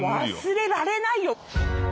忘れられないよ。